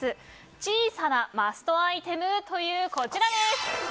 小さなマストアイテムというこちらです。